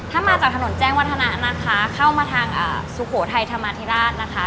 ถ้ามาจากถนนแจ้งวัฒนะนะคะเข้ามาทางสุโขทัยธรรมาธิราชนะคะ